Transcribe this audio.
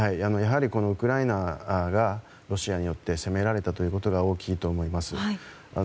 ウクライナがロシアによって攻められたということが大きいと思います。